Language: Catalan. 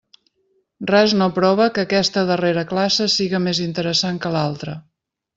Res no prova que aquesta darrera classe siga més interessant que l'altra.